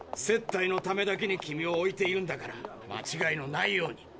接待のためだけに君を置いているんだからまちがいのないように。